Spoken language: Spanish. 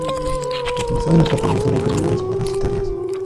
Utilizado en el tratamiento de enfermedades parasitarias.